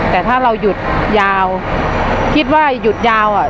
แต่ถ้าเราหยุดยาวคิดว่าหยุดยาวอ่ะ